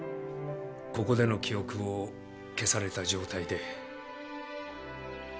ここでの記憶を消された状態で。